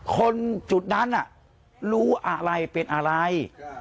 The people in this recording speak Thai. คนจุดนั้นรู้อะไรเป็นอะไร